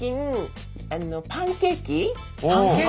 パンケーキ。